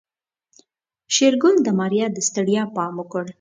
شېرګل د ماريا د ستړيا پام وکړ.